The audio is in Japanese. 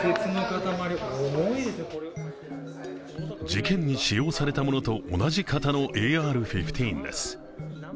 事件に使用されたものと同じ型のＡＲ−１５です。